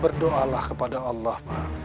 berdoa lah kepada allah pak